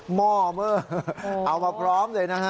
หม้อเมอร์เอามาพร้อมเลยนะฮะ